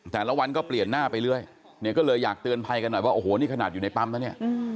แต่ละวันก็เปลี่ยนหน้าไปเรื่อยเนี่ยก็เลยอยากเตือนภัยกันหน่อยว่าโอ้โหนี่ขนาดอยู่ในปั๊มแล้วเนี่ย